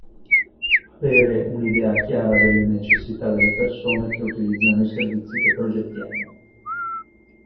Avere un'idea chiara delle necessità delle persone che utilizzano i servizi che progettiamo.